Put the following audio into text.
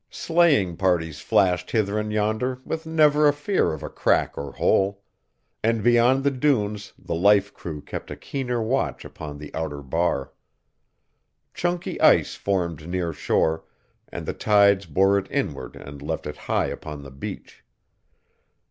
Sleighing parties flashed hither and yonder with never a fear of a crack or hole; and beyond the dunes the life crew kept a keener watch upon the outer bar. Chunky ice formed near shore, and the tides bore it inward and left it high upon the beach.